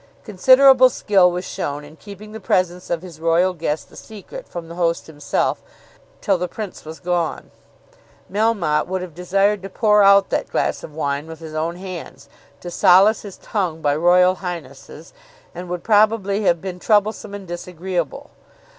Considerable skill was shown in keeping the presence of his royal guest a secret from the host himself till the Prince was gone. Melmotte would have desired to pour out that glass of wine with his own hands, to solace his tongue by Royal Highnesses, and would probably have been troublesome and disagreeable.